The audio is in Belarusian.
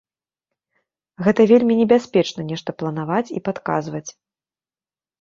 Гэта вельмі небяспечна нешта планаваць і падказваць.